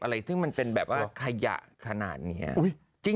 อะไรซึ่งมันเป็นแบบว่าขยะขนาดนี้